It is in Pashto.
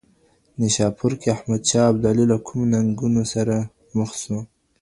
نیشاپور کي احمد شاه ابدالي له کومو ننګونو سره مخ سو؟